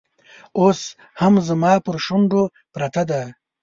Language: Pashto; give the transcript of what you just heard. اوس هم زما پر شونډو پرته ده